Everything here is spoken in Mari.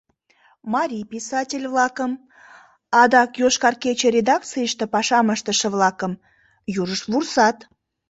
Марий писатель-влакым, адак «Йошкар кече» редакцийыште пашам ыштыше-влакым, южышт вурсат.